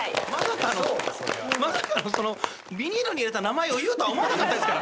まさかビニールに入れた名前を言うとは思わなかったですから。